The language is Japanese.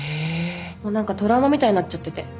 もう何かトラウマみたいになっちゃってて。